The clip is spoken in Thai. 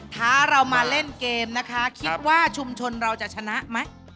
ท้าเรามาเล่นเกมนะคะคิดว่าชุมชนเราจะชนะไหม